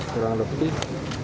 kurang lebih lima puluh